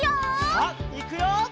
さあいくよ！